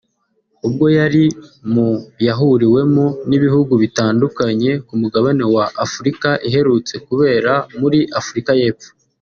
ubwo yari mu yahuriwemo n’ibihugu bitandukanye ku Mugabane wa Afurika iherutse kubera muri Afurika y’Epfo